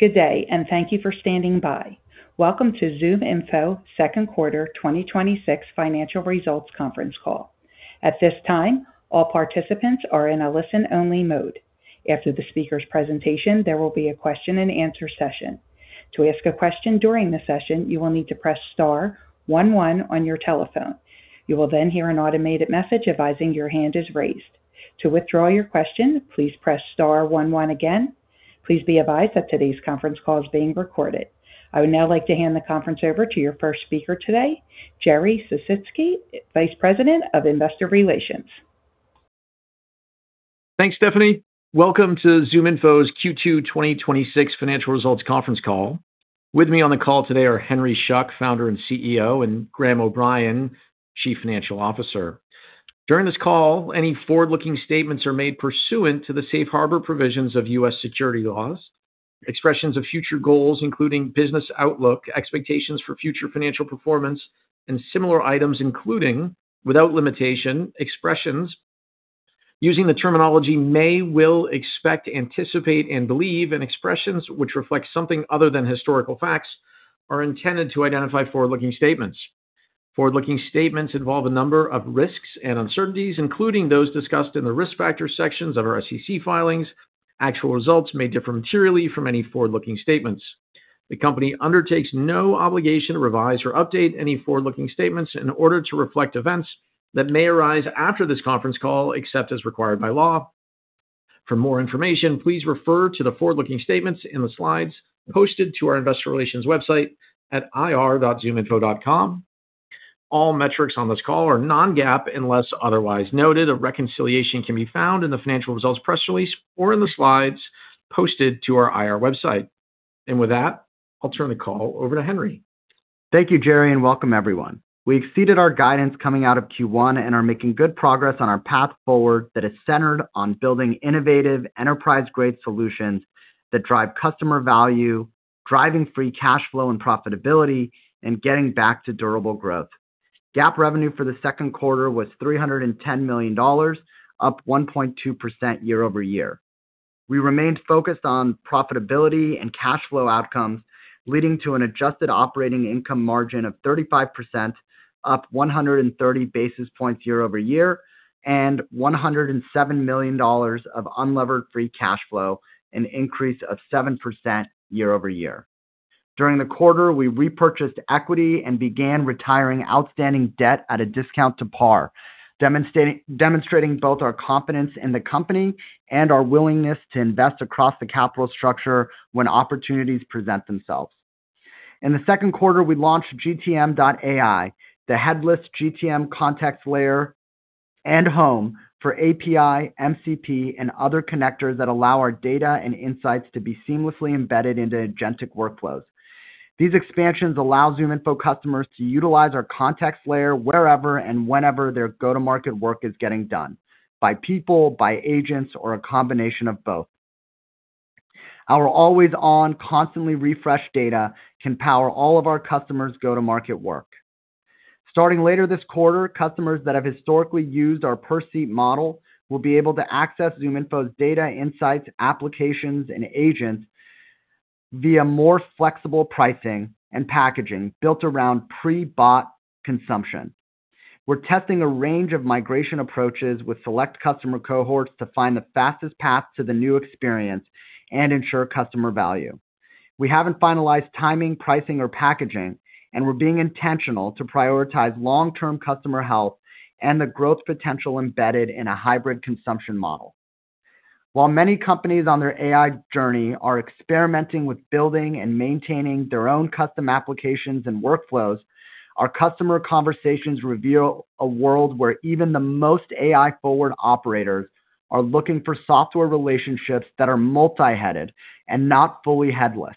Good day, and thank you for standing by. Welcome to ZoomInfo Second Quarter 2026 Financial Results Conference Call. At this time, all participants are in a listen-only mode. After the speakers' presentation, there will be a question and answer session. To ask a question during the session, you will need to press star one one on your telephone. You will then hear an automated message advising your hand is raised. To withdraw your question, please press star one one again. Please be advised that today's conference call is being recorded. I would now like to hand the conference over to your first speaker today, Jerry S asicky, Vice President of Investor Relations. Thanks, Stephanie. Welcome to ZoomInfo's Q2 2026 Financial Results Conference Call. With me on the call today are Henry Schuck, Founder and CEO, and Graham O'Brien, Chief Financial Officer. During this call, any forward-looking statements are made pursuant to the safe harbor provisions of U.S. security laws. Expressions of future goals, including business outlook, expectations for future financial performance, and similar items including, without limitation, expressions using the terminology may, will, expect, anticipate, and believe, and expressions which reflect something other than historical facts, are intended to identify forward-looking statements. Forward-looking statements involve a number of risks and uncertainties, including those discussed in the Risk Factors sections of our SEC filings. Actual results may differ materially from any forward-looking statements. The company undertakes no obligation to revise or update any forward-looking statements in order to reflect events that may arise after this conference call, except as required by law. For more information, please refer to the forward-looking statements in the slides posted to our investor relations website at ir.zoominfo.com. All metrics on this call are non-GAAP, unless otherwise noted. A reconciliation can be found in the financial results press release or in the slides posted to our IR website. With that, I'll turn the call over to Henry. Thank you, Jerry, and welcome everyone. We exceeded our guidance coming out of Q1 and are making good progress on our path forward that is centered on building innovative enterprise-grade solutions that drive customer value, driving free cash flow and profitability, and getting back to durable growth. GAAP revenue for the second quarter was $310 million, up 1.2% year-over-year. We remained focused on profitability and cash flow outcomes, leading to an adjusted operating income margin of 35%, up 130 basis points year-over-year, and $107 million of unlevered free cash flow, an increase of 7% year-over-year. During the quarter, we repurchased equity and began retiring outstanding debt at a discount to par, demonstrating both our confidence in the company and our willingness to invest across the capital structure when opportunities present themselves. In the second quarter, we launched GTM.AI, the headless GTM context layer and home for API, MCP, and other connectors that allow our data and insights to be seamlessly embedded into agentic workflows. These expansions allow ZoomInfo customers to utilize our context layer wherever and whenever their go-to-market work is getting done, by people, by agents, or a combination of both. Our always-on, constantly refreshed data can power all of our customers' go-to-market work. Starting later this quarter, customers that have historically used our per-seat model will be able to access ZoomInfo's data, insights, applications, and agents via more flexible pricing and packaging built around pre-bought consumption. We're testing a range of migration approaches with select customer cohorts to find the fastest path to the new experience and ensure customer value. We haven't finalized timing, pricing, or packaging, and we're being intentional to prioritize long-term customer health and the growth potential embedded in a hybrid consumption model. While many companies on their AI journey are experimenting with building and maintaining their own custom applications and workflows, our customer conversations reveal a world where even the most AI-forward operators are looking for software relationships that are multi-headed and not fully headless.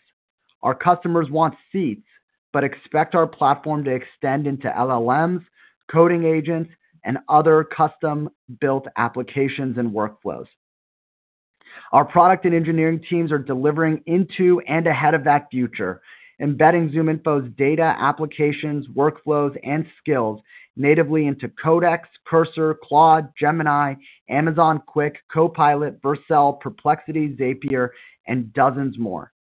Our customers want seats, but expect our platform to extend into LLM, coding agents, and other custom-built applications and workflows. Our product and engineering teams are delivering into and ahead of that future, embedding ZoomInfo's data, applications, workflows, and skills natively into Codex, Cursor, Claude, Gemini, Amazon Q, Copilot, Vercel, Perplexity, Zapier, and dozens more.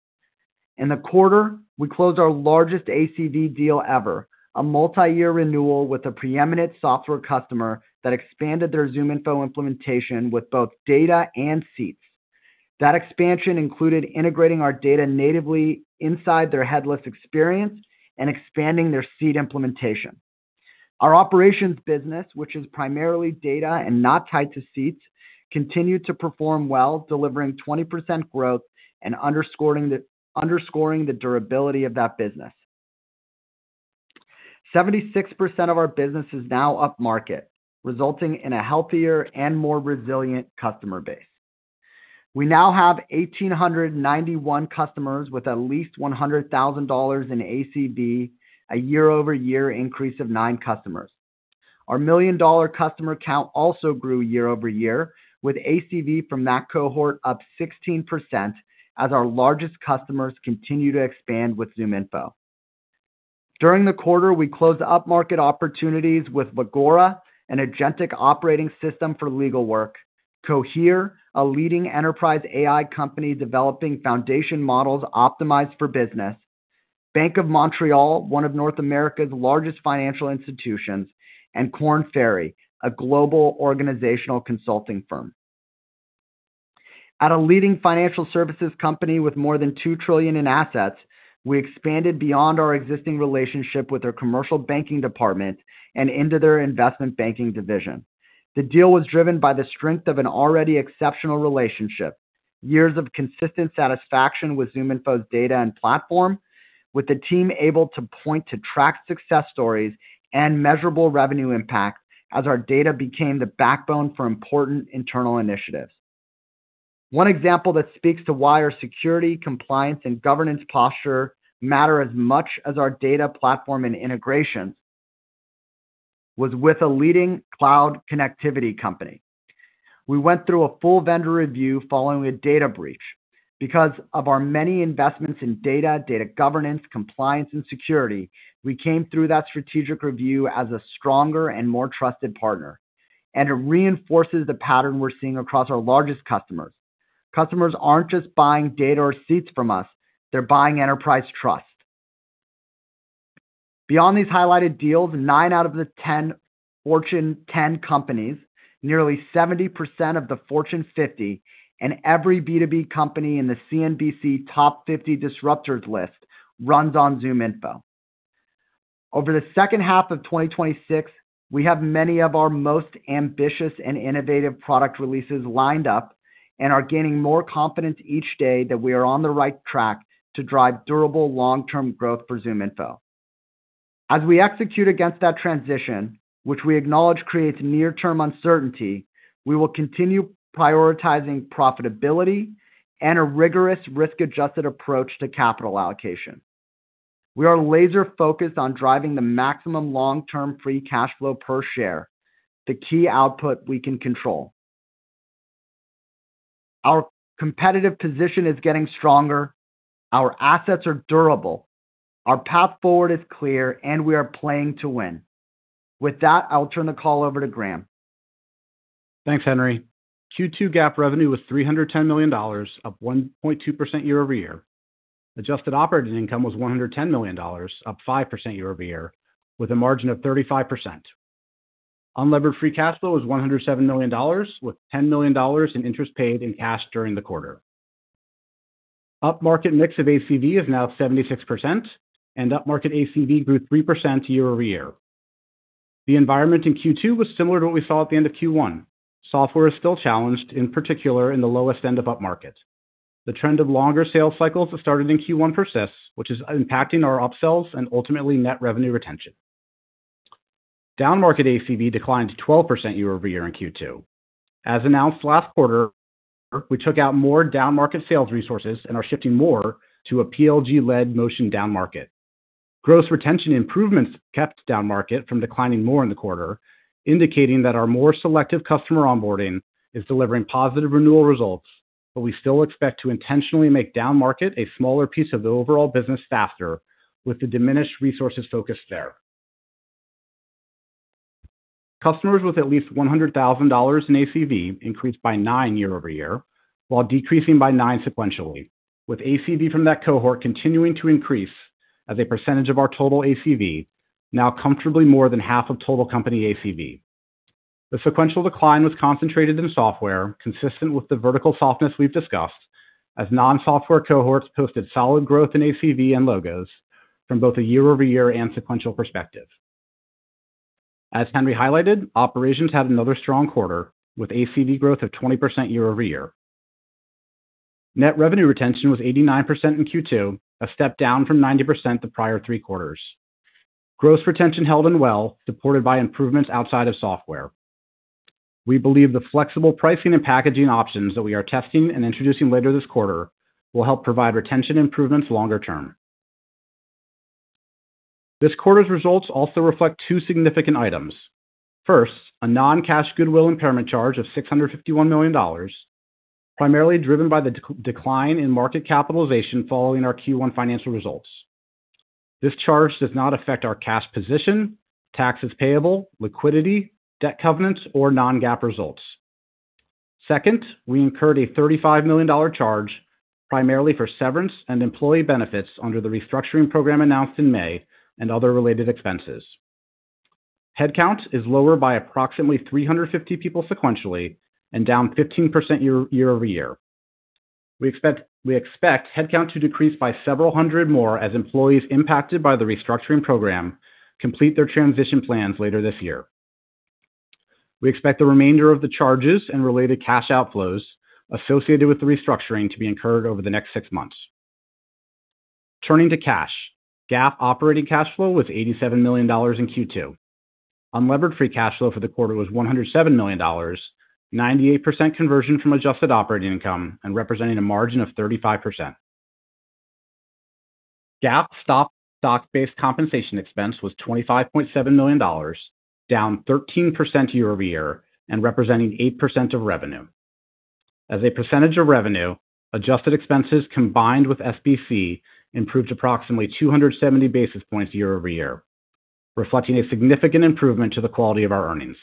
In the quarter, we closed our largest ACV deal ever, a multi-year renewal with a preeminent software customer that expanded their ZoomInfo implementation with both data and seats. That expansion included integrating our data natively inside their headless experience and expanding their seat implementation. Our ZoomInfo Operations business, which is primarily data and not tied to seats, continued to perform well, delivering 20% growth and underscoring the durability of that business. 76% of our business is now upmarket, resulting in a healthier and more resilient customer base. We now have 1,891 customers with at least $100,000 in ACV, a year-over-year increase of nine customers. Our million-dollar customer count also grew year-over-year, with ACV from that cohort up 16% as our largest customers continue to expand with ZoomInfo. During the quarter, we closed up-market opportunities with Legora, an agentic operating system for legal work, Cohere, a leading enterprise AI company developing foundation models optimized for business, Bank of Montreal, one of North America's largest financial institutions, and Korn Ferry, a global organizational consulting firm. At a leading financial services company with more than $2 trillion in assets, we expanded beyond our existing relationship with their commercial banking department and into their investment banking division. The deal was driven by the strength of an already exceptional relationship, years of consistent satisfaction with ZoomInfo's data and platform, with the team able to point to tracked success stories, and measurable revenue impact as our data became the backbone for important internal initiatives. One example that speaks to why our security, compliance, and governance posture matter as much as our data platform and integrations was with a leading cloud connectivity company. We went through a full vendor review following a data breach. Because of our many investments in data governance, compliance, and security, we came through that strategic review as a stronger and more trusted partner, and it reinforces the pattern we're seeing across our largest customers. Customers aren't just buying data or seats from us, they're buying enterprise trust. Beyond these highlighted deals, nine out of the 10 Fortune 10 companies, nearly 70% of the Fortune 50, and every B2B company in the CNBC Disruptor 50 list runs on ZoomInfo. Over the second half of 2026, we have many of our most ambitious and innovative product releases lined up and are gaining more confidence each day that we are on the right track to drive durable long-term growth for ZoomInfo. We execute against that transition, which we acknowledge creates near-term uncertainty, we will continue prioritizing profitability and a rigorous risk-adjusted approach to capital allocation. We are laser-focused on driving the maximum long-term free cash flow per share, the key output we can control. Our competitive position is getting stronger, our assets are durable, our path forward is clear, and we are playing to win. With that, I'll turn the call over to Graham. Thanks, Henry. Q2 GAAP revenue was $310 million, up 1.2% year-over-year. Adjusted operating income was $110 million, up 5% year-over-year, with a margin of 35%. Unlevered free cash flow is $107 million, with $10 million in interest paid in cash during the quarter. Up-market mix of ACV is now 76%, and up-market ACV grew 3% year-over-year. The environment in Q2 was similar to what we saw at the end of Q1. Software is still challenged, in particular in the lowest end of up-market. The trend of longer sales cycles that started in Q1 persists, which is impacting our up-sells and ultimately Net Revenue Retention. Down-market ACV declined 12% year-over-year in Q2. We took out more down-market sales resources and are shifting more to a PLG-led motion down-market. Gross retention improvements kept down-market from declining more in the quarter, indicating that our more selective customer onboarding is delivering positive renewal results, but we still expect to intentionally make down-market a smaller piece of the overall business faster with the diminished resources focused there. Customers with at least $100,000 in ACV increased by nine year-over-year, while decreasing by nine sequentially, with ACV from that cohort continuing to increase as a percentage of our total ACV, now comfortably more than half of total company ACV. The sequential decline was concentrated in software consistent with the vertical softness we've discussed, as non-software cohorts posted solid growth in ACV and logos from both a year-over-year and sequential perspective. Henry highlighted, ZoomInfo Operations had another strong quarter with ACV growth of 20% year-over-year. Net revenue retention was 89% in Q2, a step down from 90% the prior three quarters. Gross retention held in well, supported by improvements outside of software. We believe the flexible pricing and packaging options that we are testing and introducing later this quarter will help provide retention improvements longer term. This quarter's results also reflect two significant items. First, a non-cash goodwill impairment charge of $651 million, primarily driven by the decline in market capitalization following our Q1 financial results. This charge does not affect our cash position, taxes payable, liquidity, debt covenants, or non-GAAP results. Second, we incurred a $35 million charge primarily for severance and employee benefits under the restructuring program announced in May and other related expenses. Headcount is lower by approximately 350 people sequentially and down 15% year-over-year. We expect headcount to decrease by several hundred more as employees impacted by the restructuring program complete their transition plans later this year. We expect the remainder of the charges and related cash outflows associated with the restructuring to be incurred over the next six months. Turning to cash. GAAP operating cash flow was $87 million in Q2. Unlevered free cash flow for the quarter was $107 million, 98% conversion from adjusted operating income and representing a margin of 35%. GAAP stock-based compensation expense was $25.7 million, down 13% year-over-year and representing 8% of revenue. As a percentage of revenue, adjusted expenses combined with SBC improved approximately 270 basis points year-over-year, reflecting a significant improvement to the quality of our earnings.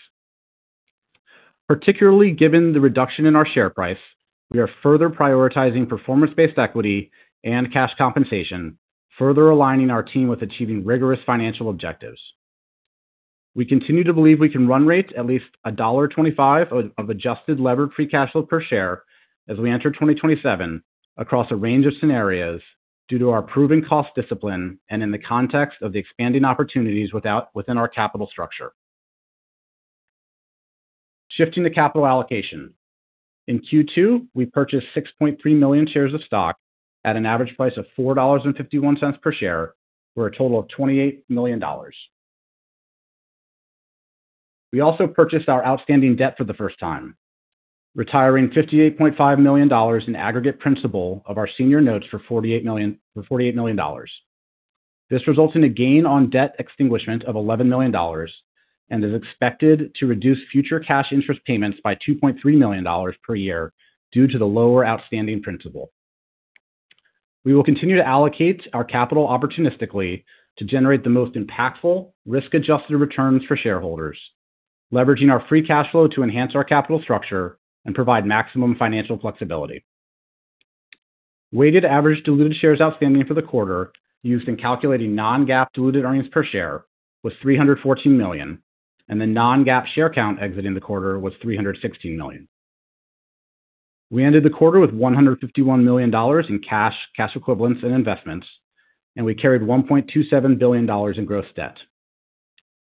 Particularly given the reduction in our share price, we are further prioritizing performance-based equity and cash compensation, further aligning our team with achieving rigorous financial objectives. We continue to believe we can run rate at least a $1.25 of adjusted levered free cash flow per share as we enter 2027 across a range of scenarios due to our proven cost discipline and in the context of the expanding opportunities within our capital structure. Shifting to capital allocation. In Q2, we purchased 6.3 million shares of stock at an average price of $4.51 per share for a total of $28 million. We also purchased our outstanding debt for the first time, retiring $58.5 million in aggregate principal of our senior notes for $48 million. This results in a gain on debt extinguishment of $11 million and is expected to reduce future cash interest payments by $2.3 million per year due to the lower outstanding principal. We will continue to allocate our capital opportunistically to generate the most impactful risk-adjusted returns for shareholders, leveraging our free cash flow to enhance our capital structure and provide maximum financial flexibility. Weighted average diluted shares outstanding for the quarter used in calculating non-GAAP diluted earnings per share was 314 million, and the non-GAAP share count exiting the quarter was 316 million. We ended the quarter with $151 million in cash equivalents, and investments, and we carried $1.27 billion in gross debt.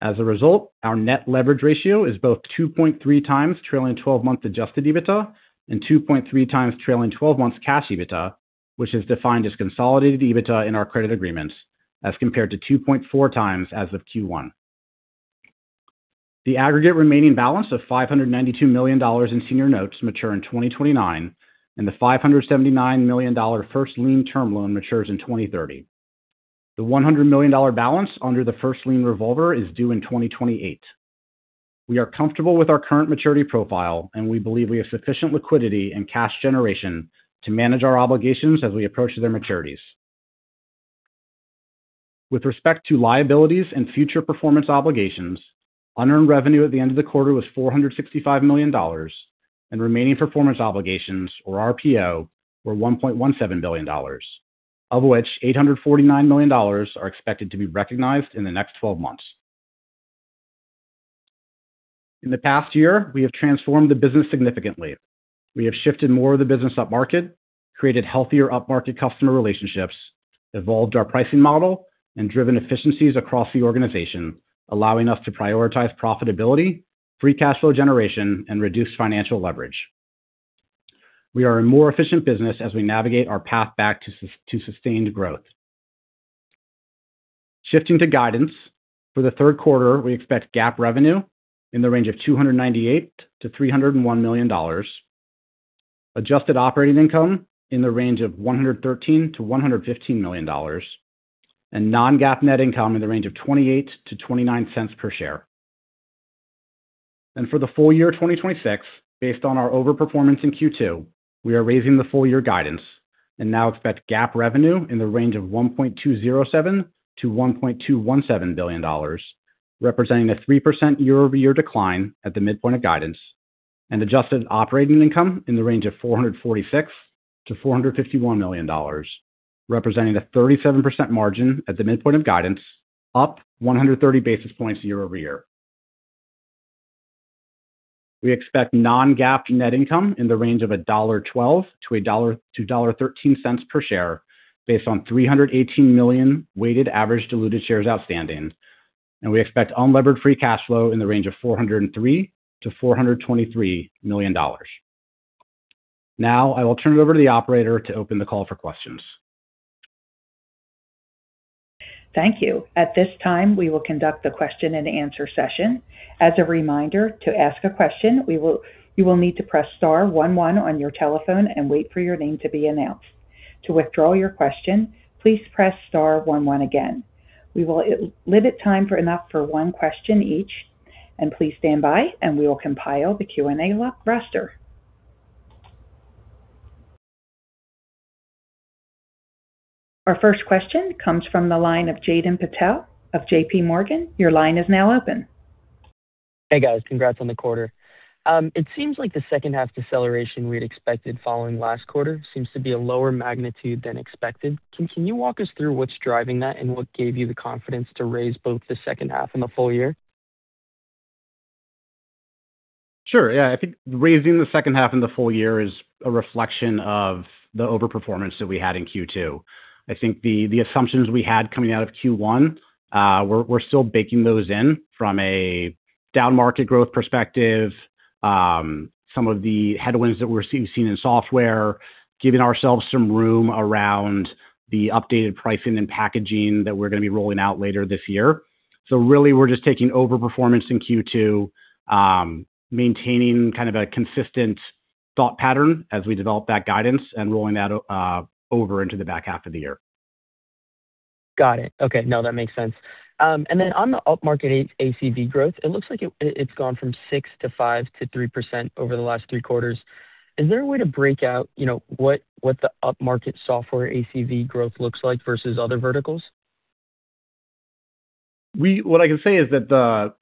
As a result, our net leverage ratio is both 2.3 times trailing 12-month adjusted EBITDA and 2.3 times trailing 12-month cash EBITDA, which is defined as consolidated EBITDA in our credit agreements as compared to 2.4 times as of Q1. The aggregate remaining balance of $592 million in senior notes mature in 2029, and the $579 million first-lien term loan matures in 2030. The $100 million balance under the first-lien revolver is due in 2028. We are comfortable with our current maturity profile, and we believe we have sufficient liquidity and cash generation to manage our obligations as we approach their maturities. With respect to liabilities and future performance obligations, unearned revenue at the end of the quarter was $465 million, and remaining performance obligations, or RPO, were $1.17 billion, of which $849 million are expected to be recognized in the next 12 months. In the past year, we have transformed the business significantly. We have shifted more of the business upmarket, created healthier upmarket customer relationships, evolved our pricing model, and driven efficiencies across the organization, allowing us to prioritize profitability, free cash flow generation, and reduce financial leverage. We are a more efficient business as we navigate our path back to sustained growth. Shifting to guidance. For the third quarter, we expect GAAP revenue in the range of $298 million-$301 million, adjusted operating income in the range of $113 million-$115 million, and non-GAAP net income in the range of $0.28-$0.29 per share. For the full year 2026, based on our overperformance in Q2, we are raising the full year guidance and now expect GAAP revenue in the range of $1.207 billion-$1.217 billion, representing a 3% year-over-year decline at the midpoint of guidance and adjusted operating income in the range of $446 million-$451 million, representing a 37% margin at the midpoint of guidance, up 130 basis points year-over-year. We expect non-GAAP net income in the range of $1.12-$1.13 per share based on 318 million weighted average diluted shares outstanding, and we expect unlevered free cash flow in the range of $403 million-$423 million. Now I will turn it over to the operator to open the call for questions. Thank you. At this time, we will conduct the question and answer session. As a reminder, to ask a question, you will need to press star one one on your telephone and wait for your name to be announced. To withdraw your question, please press star one one again. We will limit time enough for one question each, and please stand by and we will compile the Q&A roster. Our first question comes from the line of Jaden Patel of JPMorgan. Your line is now open. Hey, guys. Congrats on the quarter. It seems like the second half deceleration we'd expected following last quarter seems to be a lower magnitude than expected. Can you walk us through what's driving that and what gave you the confidence to raise both the second half and the full year? Sure. Yeah. I think raising the second half and the full year is a reflection of the overperformance that we had in Q2. I think the assumptions we had coming out of Q1, we're still baking those in from a downmarket growth perspective. Some of the headwinds that we're seeing in software, giving ourselves some room around the updated pricing and packaging that we're going to be rolling out later this year. Really, we're just taking overperformance in Q2, maintaining kind of a consistent thought pattern as we develop that guidance and rolling that over into the back half of the year. Got it. Okay. No, that makes sense. Then on the upmarket ACV growth, it looks like it's gone from 6% to 5% to 3% over the last three quarters. Is there a way to break out what the upmarket software ACV growth looks like versus other verticals? What I can say is that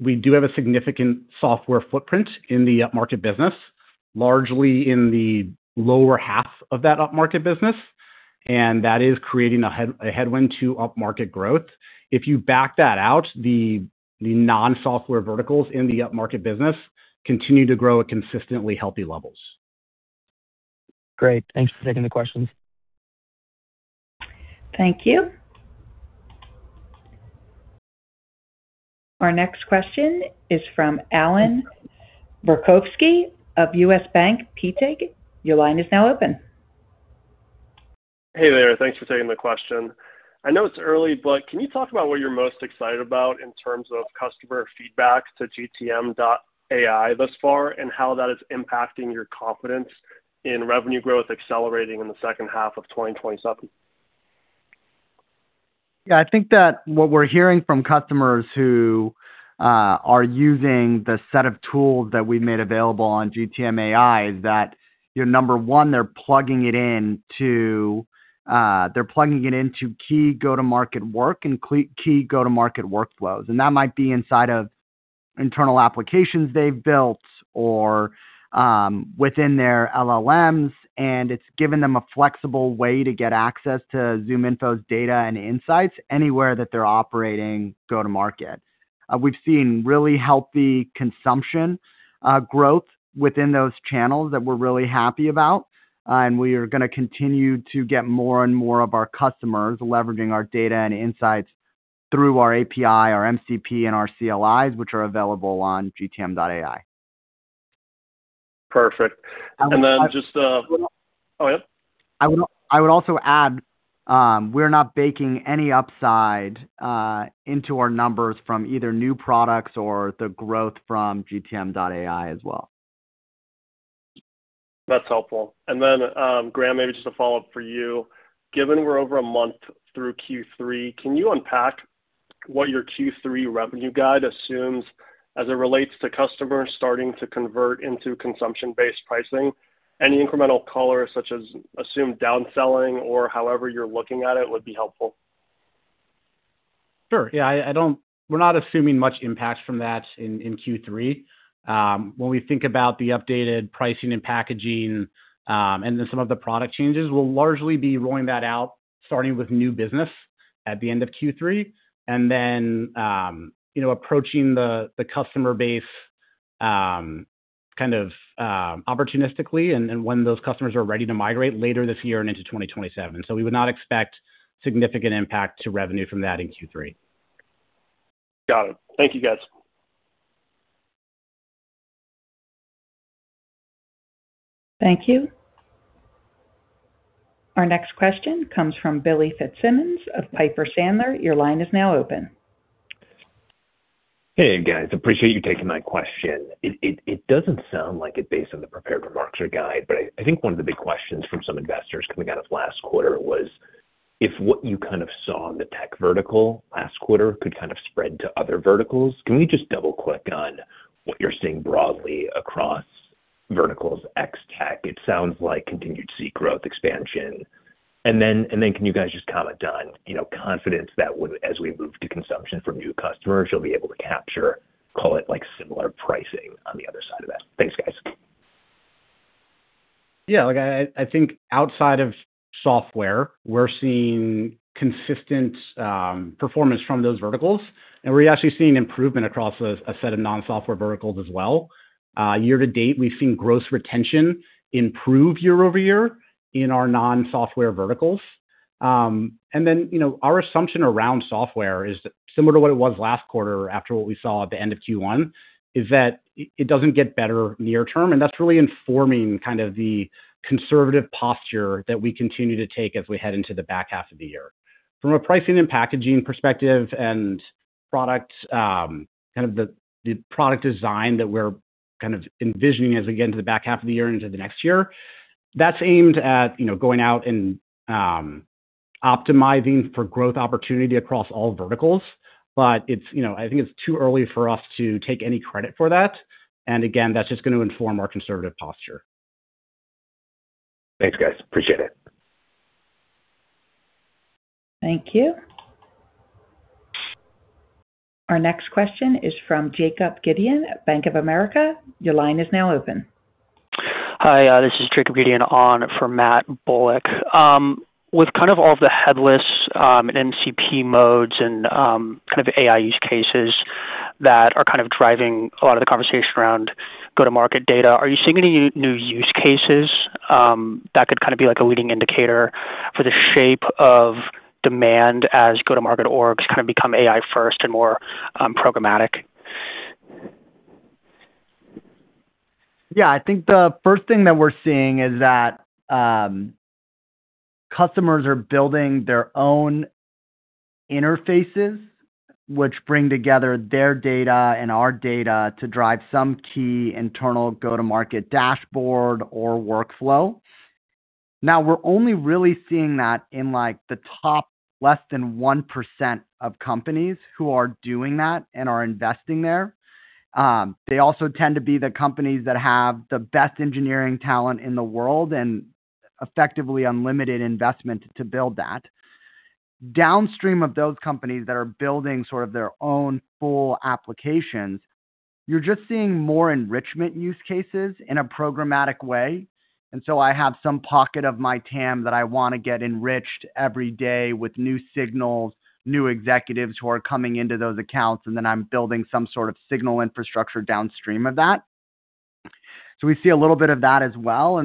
we do have a significant software footprint in the upmarket business, largely in the lower half of that upmarket business, and that is creating a headwind to upmarket growth. If you back that out, the non-software verticals in the upmarket business continue to grow at consistently healthy levels. Great. Thanks for taking the questions. Thank you. Our next question is from Allan Verkhovski of BTIG. Your line is now open. Hey there. Thanks for taking the question. I know it's early, but can you talk about what you're most excited about in terms of customer feedback to GTM.AI thus far, and how that is impacting your confidence in revenue growth accelerating in the second half of 2027? Yeah, I think that what we're hearing from customers who are using the set of tools that we've made available on GTM.AI is that, number one, they're plugging it into key go-to-market work and key go-to-market workflows. That might be inside of internal applications they've built or within their LLM, and it's given them a flexible way to get access to ZoomInfo's data and insights anywhere that they're operating go-to-market. We've seen really healthy consumption growth within those channels that we're really happy about. We are going to continue to get more and more of our customers leveraging our data and insights through our API, our MCP, and our CLI, which are available on GTM.AI. Perfect. Oh, yeah? I would also add, we're not baking any upside into our numbers from either new products or the growth from GTM.AI as well. That's helpful. Graham, maybe just a follow-up for you. Given we're over a month through Q3, can you unpack what your Q3 revenue guide assumes as it relates to customers starting to convert into consumption-based pricing? Any incremental color, such as assumed downselling or however you're looking at it, would be helpful. Sure. Yeah, we're not assuming much impact from that in Q3. When we think about the updated pricing and packaging, and then some of the product changes, we'll largely be rolling that out, starting with new business at the end of Q3. Approaching the customer base opportunistically and when those customers are ready to migrate later this year and into 2027. We would not expect significant impact to revenue from that in Q3. Got it. Thank you, guys. Thank you. Our next question comes from Billy Fitzsimmons of Piper Sandler. Your line is now open. Hey, guys. Appreciate you taking my question. It doesn't sound like it based on the prepared remarks or guide, I think one of the big questions from some investors coming out of last quarter was if what you saw in the tech vertical last quarter could spread to other verticals. Can we just double-click on what you're seeing broadly across verticals ex tech? It sounds like continued seat growth expansion. Then can you guys just comment on confidence that as we move to consumption from new customers, you'll be able to capture, call it, similar pricing on the other side of that. Thanks, guys. Yeah, I think outside of software, we're seeing consistent performance from those verticals, and we're actually seeing improvement across a set of non-software verticals as well. Year to date, we've seen gross retention improve year-over-year in our non-software verticals. Our assumption around software is similar to what it was last quarter after what we saw at the end of Q1, is that it doesn't get better near term, and that's really informing the conservative posture that we continue to take as we head into the back half of the year. From a pricing and packaging perspective and the product design that we're envisioning as we get into the back half of the year and into the next year, that's aimed at going out and optimizing for growth opportunity across all verticals. I think it's too early for us to take any credit for that. Again, that's just going to inform our conservative posture. Thanks, guys. Appreciate it. Thank you. Our next question is from Jacob Gideon at Bank of America. Your line is now open. Hi, this is Jacob Gideon on for Matt Bullock. With all of the headless MCP modes and AI use cases that are driving a lot of the conversation around go-to-market data, are you seeing any new use cases that could be a leading indicator for the shape of demand as go-to-market orgs become AI first and more programmatic? Yeah, I think the first thing that we're seeing is that customers are building their own interfaces which bring together their data and our data to drive some key internal go-to-market dashboard or workflow. We're only really seeing that in the top less than 1% of companies who are doing that and are investing there. They also tend to be the companies that have the best engineering talent in the world and effectively unlimited investment to build that. Downstream of those companies that are building sort of their own full applications, you're just seeing more enrichment use cases in a programmatic way. I have some pocket of my TAM that I want to get enriched every day with new signals, new executives who are coming into those accounts, and then I'm building some sort of signal infrastructure downstream of that. We see a little bit of that as well.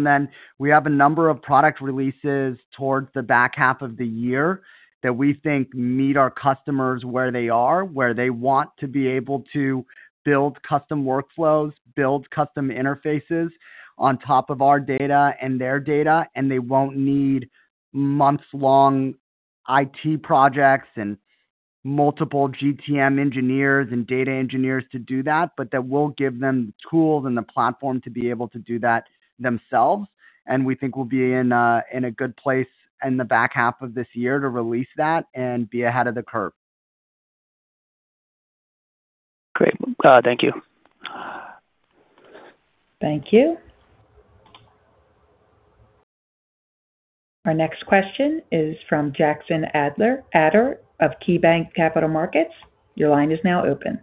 We have a number of product releases towards the back half of the year that we think meet our customers where they are, where they want to be able to build custom workflows, build custom interfaces on top of our data and their data, and they won't need months-long IT projects and multiple GTM engineers and data engineers to do that. That will give them the tools and the platform to be able to do that themselves. We think we'll be in a good place in the back half of this year to release that and be ahead of the curve. Great. Thank you. Thank you. Our next question is from Jackson Ader of KeyBanc Capital Markets. Your line is now open.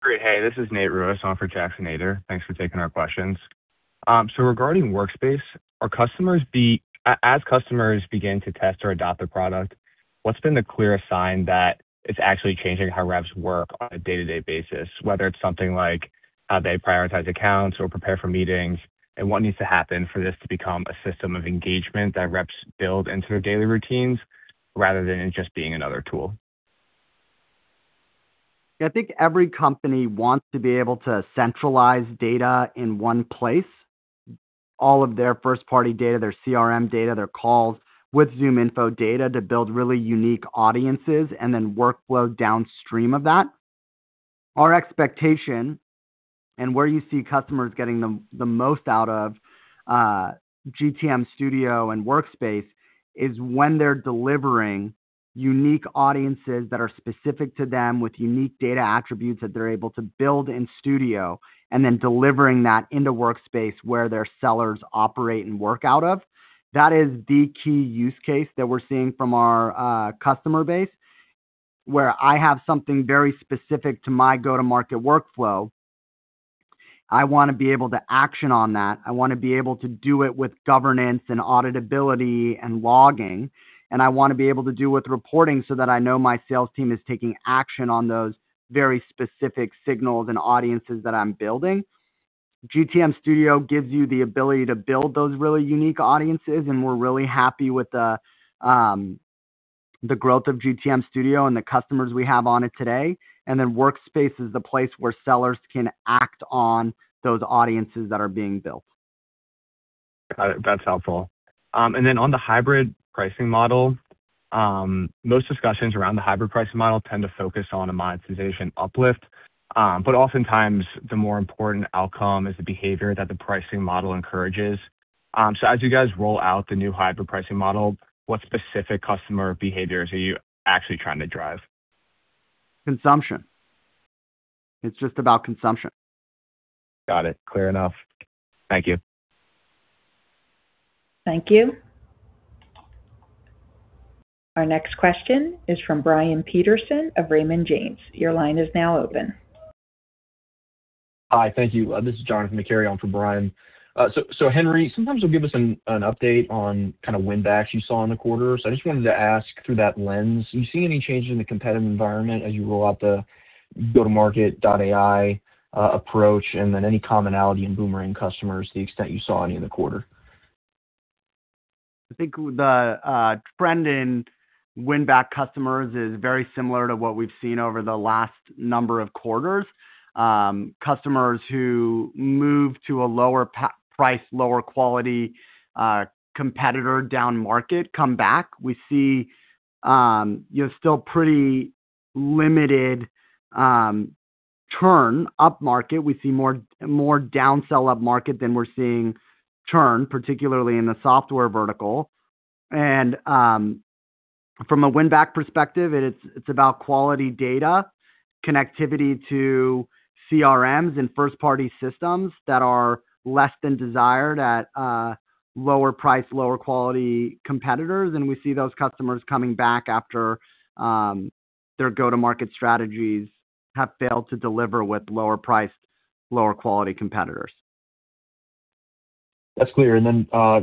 Great. Hey, this is Nate Ruis on for Jackson Ader. Thanks for taking our questions. Regarding Workspace, as customers begin to test or adopt the product, what's been the clearest sign that it's actually changing how reps work on a day-to-day basis, whether it's something like how they prioritize accounts or prepare for meetings, and what needs to happen for this to become a system of engagement that reps build into their daily routines rather than it just being another tool? I think every company wants to be able to centralize data in one place, all of their first-party data, their CRM data, their calls, with ZoomInfo data to build really unique audiences and then workflow downstream of that. Our expectation, and where you see customers getting the most out of GTM Studio and Workspace, is when they're delivering unique audiences that are specific to them with unique data attributes that they're able to build in Studio and then delivering that into Workspace where their sellers operate and work out of. That is the key use case that we're seeing from our customer base, where I have something very specific to my go-to-market workflow. I want to be able to action on that. I want to be able to do it with governance and auditability and logging. I want to be able to do with reporting so that I know my sales team is taking action on those very specific signals and audiences that I'm building. GTM Studio gives you the ability to build those really unique audiences. We're really happy with the growth of GTM Studio and the customers we have on it today. Workspace is the place where sellers can act on those audiences that are being built. Got it. That's helpful. On the hybrid pricing model, most discussions around the hybrid pricing model tend to focus on a monetization uplift. Oftentimes the more important outcome is the behavior that the pricing model encourages. As you guys roll out the new hybrid pricing model, what specific customer behaviors are you actually trying to drive? Consumption. It's just about consumption. Got it. Clear enough. Thank you. Thank you. Our next question is from Brian Peterson of Raymond James. Your line is now open. Hi, thank you. This is Johnathan McCary on for Brian. Henry, sometimes you'll give us an update on kind of win backs you saw in the quarter. I just wanted to ask through that lens, do you see any changes in the competitive environment as you roll out the GTM.AI approach, and then any commonality in boomerang customers to the extent you saw any in the quarter? I think the trend in win-back customers is very similar to what we've seen over the last number of quarters. Customers who move to a lower price, lower quality, competitor down-market come back. We see still pretty limited churn upmarket. We see more downsell upmarket than we're seeing churn, particularly in the software vertical. From a win-back perspective, it's about quality data, connectivity to CRMs and first-party systems that are less than desired at lower price, lower quality competitors. We see those customers coming back after their go-to-market strategies have failed to deliver with lower priced, lower quality competitors. That's clear.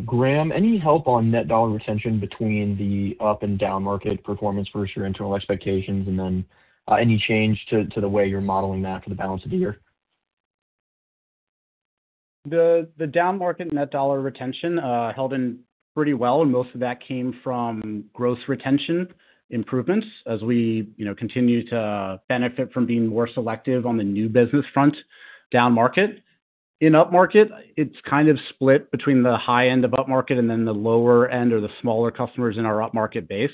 Graham, any help on Net Dollar Retention between the up and down market performance versus your internal expectations, and then any change to the way you're modeling that for the balance of the year? The downmarket Net Dollar Retention held in pretty well. Most of that came from gross retention improvements as we continue to benefit from being more selective on the new business front downmarket. In up-market, it's kind of split between the high end of up-market and then the lower end or the smaller customers in our up-market base.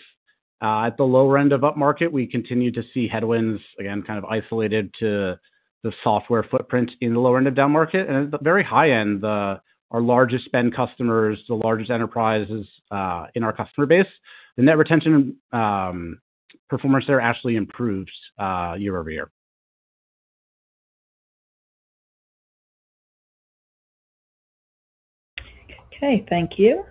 At the lower end of up-market, we continue to see headwinds, again, kind of isolated to the software footprint in the lower end of down market. At the very high end, our largest spend customers, the largest enterprises in our customer base, the net retention performance there actually improves year-over-year. Okay, thank you.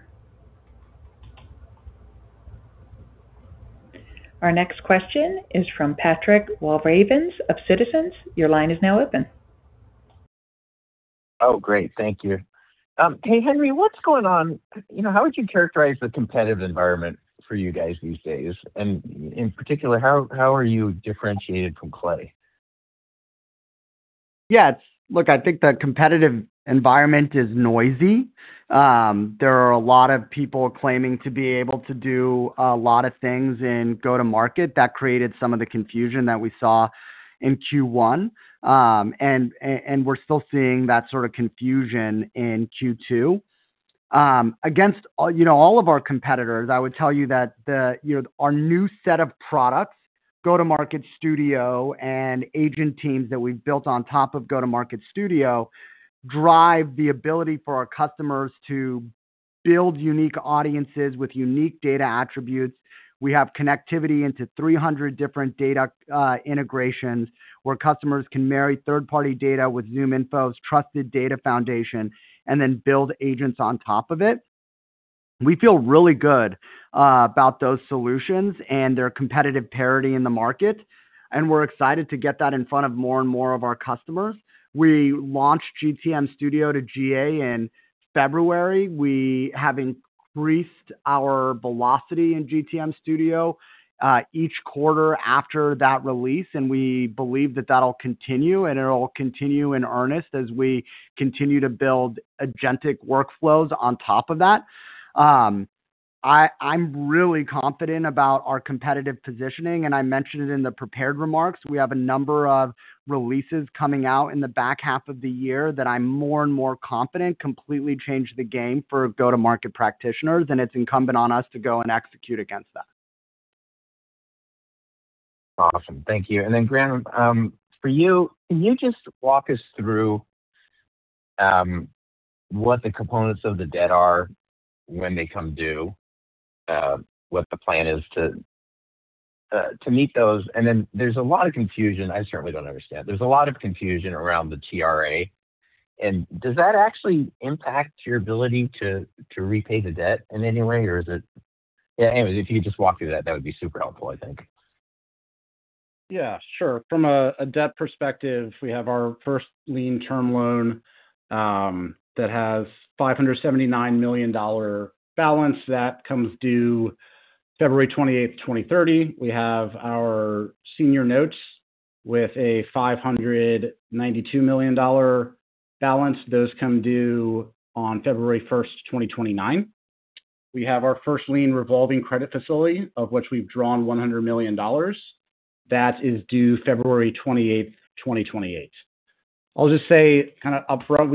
Our next question is from Patrick Walravens of Citizens. Your line is now open. Great. Thank you. Hey, Henry, what's going on? How would you characterize the competitive environment for you guys these days? In particular, how are you differentiated from Clay? I think the competitive environment is noisy. There are a lot of people claiming to be able to do a lot of things in go-to-market. That created some of the confusion that we saw in Q1. We're still seeing that sort of confusion in Q2. Against all of our competitors, I would tell you that our new set of products, Go-to-Market Studio and Agent Teams that we've built on top of Go-to-Market Studio, drive the ability for our customers to build unique audiences with unique data attributes. We have connectivity into 300 different data integrations where customers can marry third-party data with ZoomInfo's trusted data foundation. Then build agents on top of it. We feel really good about those solutions. Their competitive parity in the market. We're excited to get that in front of more and more of our customers. We launched GTM Studio to GA in February. We have increased our velocity in GTM Studio each quarter after that release. We believe that that'll continue. It'll continue in earnest as we continue to build agentic workflows on top of that. I'm really confident about our competitive positioning. I mentioned it in the prepared remarks. We have a number of releases coming out in the back half of the year that I'm more and more confident completely change the game for go-to-market practitioners. It's incumbent on us to go and execute against that. Awesome. Thank you. Graham, for you, can you just walk us through what the components of the debt are when they come due, what the plan is to meet those? There's a lot of confusion, I certainly don't understand. There's a lot of confusion around the TRA. Does that actually impact your ability to repay the debt in any way? Anyways, if you could just walk through that would be super helpful, I think. Yeah, sure. From a debt perspective, we have our first lien term loan that has $579 million balance. That comes due February 28th, 2030. We have our senior notes with a $592 million balance. Those come due on February 1st, 2029. We have our first lien revolving credit facility of which we've drawn $100 million. That is due February 28th, 2028. I'll just say kind of upfront,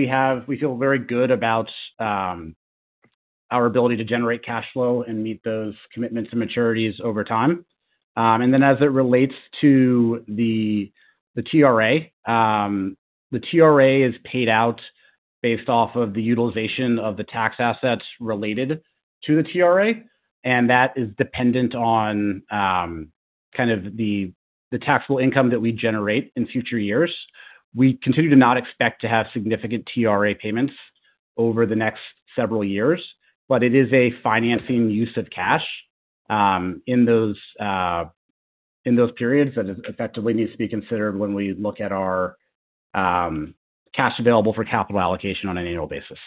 we feel very good about our ability to generate cash flow and meet those commitments and maturities over time. As it relates to the TRA, the TRA is paid out based off of the utilization of the tax assets related to the TRA, and that is dependent on the taxable income that we generate in future years. We continue to not expect to have significant TRA payments over the next several years, it is a financing use of cash in those periods that effectively needs to be considered when we look at our cash available for capital allocation on an annual basis.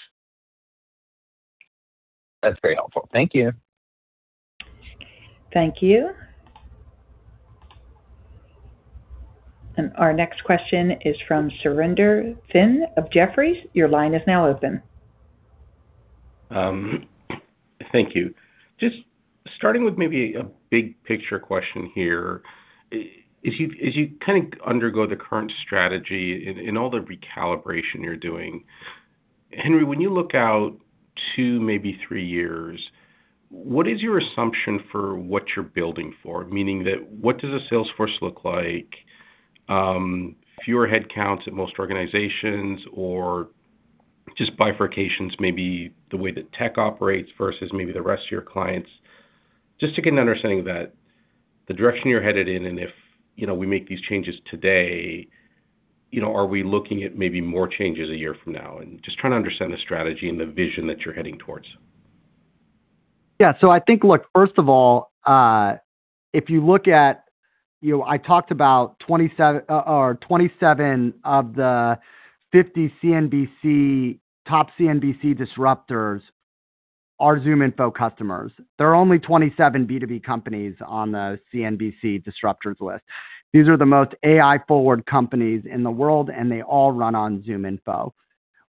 That's very helpful. Thank you. Thank you. Our next question is from Surinder Thind of Jefferies. Your line is now open. Thank you. Just starting with maybe a big picture question here. As you kind of undergo the current strategy in all the recalibration you are doing, Henry, when you look out two, maybe three years, what is your assumption for what you are building for? Meaning that, what does the sales force look like? Fewer headcounts at most organizations, or just bifurcations, maybe the way that tech operates versus maybe the rest of your clients. Just to get an understanding of that, the direction you are headed in and if we make these changes today, are we looking at maybe more changes a year from now? Just trying to understand the strategy and the vision that you are heading towards. Yeah. I think, look, first of all, if you look at, I talked about 27 of the 50 top CNBC Disruptors are ZoomInfo customers. There are only 27 B2B companies on the CNBC Disruptors list. These are the most AI-forward companies in the world, and they all run on ZoomInfo.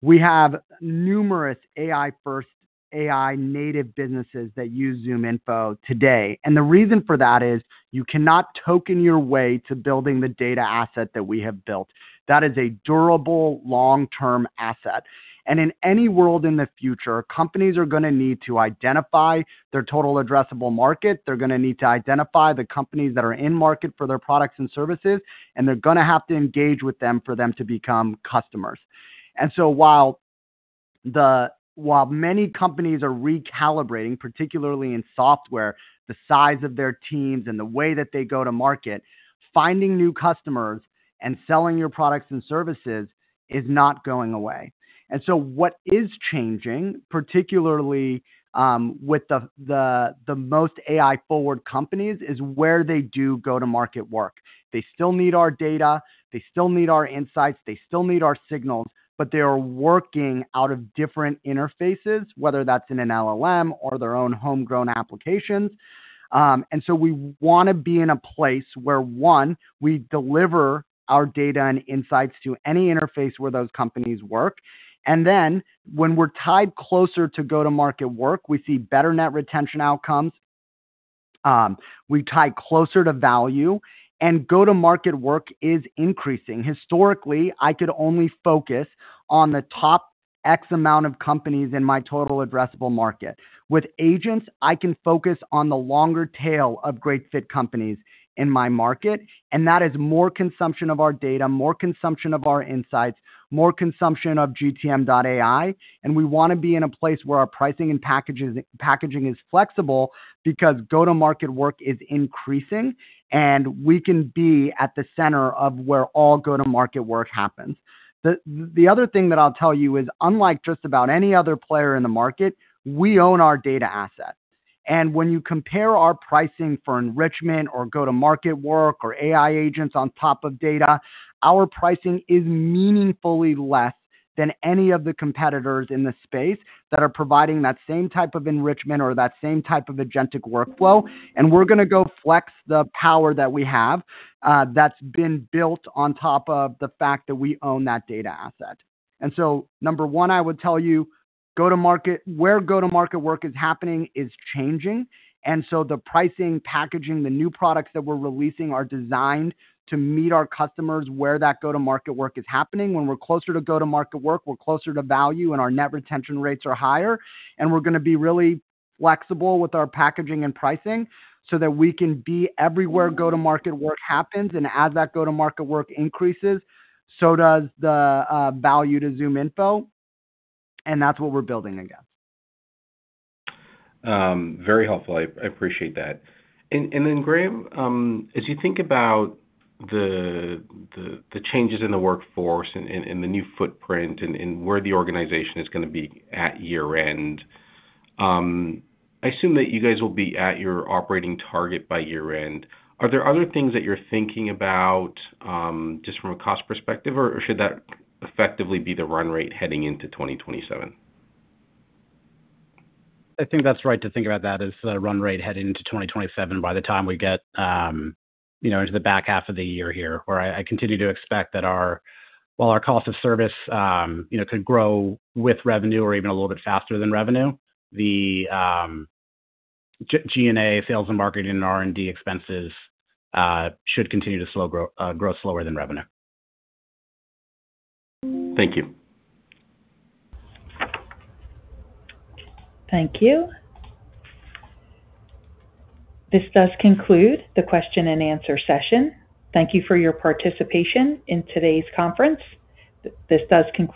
We have numerous AI-first AI native businesses that use ZoomInfo today. The reason for that is you cannot token your way to building the data asset that we have built. That is a durable, long-term asset. In any world in the future, companies are going to need to identify their total addressable market, they are going to need to identify the companies that are in market for their products and services, and they are going to have to engage with them for them to become customers. While many companies are recalibrating, particularly in software, the size of their teams and the way that they go-to-market, finding new customers and selling your products and services is not going away. What is changing, particularly with the most AI-forward companies, is where they do go-to-market work. They still need our data, they still need our insights, they still need our signals, but they are working out of different interfaces, whether that's in an LLM or their own homegrown applications. We want to be in a place where, one, we deliver our data and insights to any interface where those companies work. When we are tied closer to go-to-market work, we see better net retention outcomes, we tie closer to value, and go-to-market work is increasing. Historically, I could only focus on the top X amount of companies in my total addressable market. With agents, I can focus on the longer tail of great fit companies in my market, and that is more consumption of our data, more consumption of our insights, more consumption of GTM.AI, and we want to be in a place where our pricing and packaging is flexible because go-to-market work is increasing, and we can be at the center of where all go-to-market work happens. The other thing that I'll tell you is, unlike just about any other player in the market, we own our data asset. When you compare our pricing for enrichment or go-to-market work or AI agents on top of data, our pricing is meaningfully less than any of the competitors in the space that are providing that same type of enrichment or that same type of agentic workflow, and we're going to go flex the power that we have that's been built on top of the fact that we own that data asset. Number one, I would tell you, where go-to-market work is happening is changing. The pricing, packaging, the new products that we're releasing are designed to meet our customers where that go-to-market work is happening. When we're closer to go-to-market work, we're closer to value, and our net retention rates are higher, and we're going to be really flexible with our packaging and pricing so that we can be everywhere go-to-market work happens. As that go-to-market work increases, so does the value to ZoomInfo, and that's what we're building against. Very helpful. I appreciate that. Then Graham, as you think about the changes in the workforce and the new footprint and where the organization is going to be at year-end, I assume that you guys will be at your operating target by year-end. Are there other things that you're thinking about, just from a cost perspective, or should that effectively be the run rate heading into 2027? I think that's right to think about that as the run rate heading into 2027 by the time we get into the back half of the year here, where I continue to expect that while our cost of service could grow with revenue or even a little bit faster than revenue, the G&A sales and marketing and R&D expenses should continue to grow slower than revenue. Thank you. Thank you. This does conclude the question and answer session. Thank you for your participation in today's conference. This does conclude the